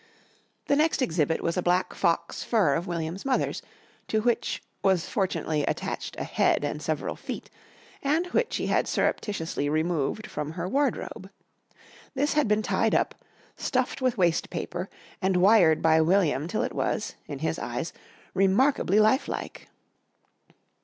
The next exhibit was a black fox fur of William's mother's, to which was fortunately attached a head and several feet, and which he had surreptitiously removed from her wardrobe. This had been tied up, stuffed with waste paper and wired by William till it was, in his eyes, remarkably lifelike.